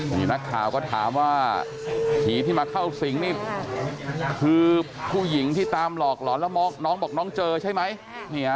นี่นักข่าวก็ถามว่าผีที่มาเข้าสิงนี่คือผู้หญิงที่ตามหลอกหลอนแล้วน้องบอกน้องเจอใช่ไหม